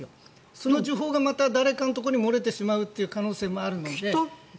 その情報がまた、誰かのところに漏れてしまうこともあるので。